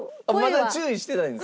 まだ注意してないんですか？